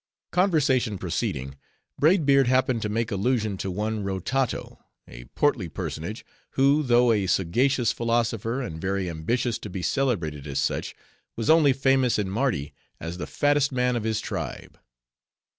Conversation proceeding, Braid Beard happened to make allusion to one Rotato, a portly personage, who, though a sagacious philosopher, and very ambitious to be celebrated as such, was only famous in Mardi as the fattest man of his tribe.